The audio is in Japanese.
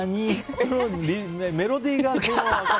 メロディーが。